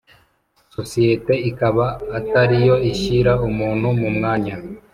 sosiyete ikaba atari yo ishyira umuntu mu mwanya